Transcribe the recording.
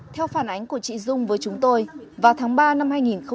theo phản ánh của chị dung với chúng tôi vào tháng ba năm hai nghìn một mươi bốn